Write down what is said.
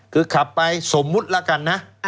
คือขับไปสมมุติแล้วกันนะ